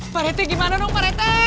pak rete gimana dong pak rete